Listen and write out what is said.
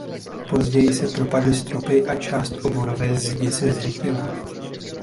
Později se propadly stropy a část obvodové zdi se zřítila.